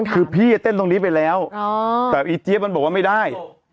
คือพี่เต้นตรงนี้ไปแล้วแต่อีเจี๊ยบมันบอกว่าไม่ได้